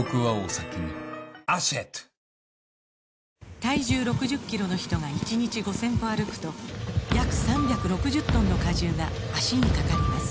体重６０キロの人が１日５０００歩歩くと約３６０トンの荷重が脚にかかります